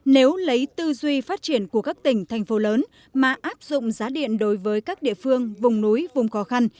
nếu lấy tư duy phát triển của các tỉnh thành phố lớn mà áp dụng giá điện đối với các địa phương vùng núi vùng khó khăn